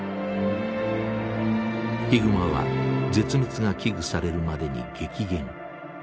ヒグマは絶滅が危惧されるまでに激減。